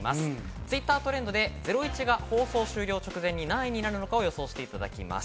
Ｔｗｉｔｔｅｒトレンドで『ゼロイチ』が放送終了直前に何位になるのかを予想していただきます。